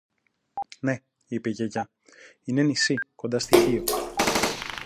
Ναι, είπε η Γιαγιά, είναι νησί κοντά στη Χίο